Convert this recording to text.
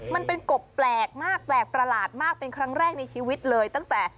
มันเป็นกบแปลกมากแปลกประหลาดมากเป็นครั้งแรกในชีวิตเลยตั้งแต่